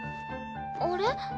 あれ？